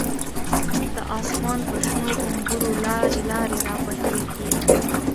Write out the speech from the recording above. د آسمان په شنو غومبرو، لاری لاری رابهیږی